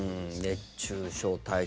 熱中症対策。